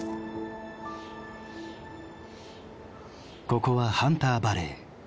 ここはハンター・バレー。